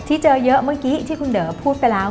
เจอเยอะเมื่อกี้ที่คุณเด๋อพูดไปแล้ว